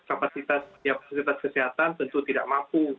kapasitas kesehatan tentu tidak mampu